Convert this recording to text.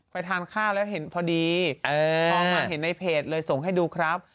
ไปทานค่าแล้วพอดีพ่อมาเห็นในเพจเลยส่งให้ดูครับ